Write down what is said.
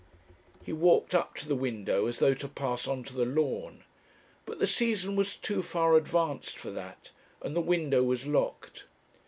He walked up to the window as though to pass on to the lawn; but the season was too far advanced for that, and the window was locked.